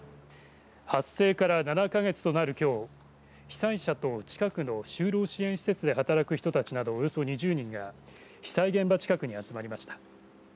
発生から７か月となる、きょう被災者と近くの就労支援施設で働く人たちなどおよそ２０人が被災現場近くに集まりました。